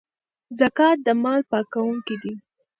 زکات د مال پاکونکی دی.